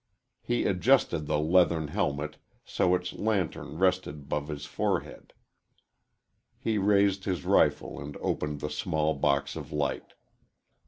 He adjusted the leathern helmet so its lantern rested 'above his forehead. He raised his rifle and opened the small box of light.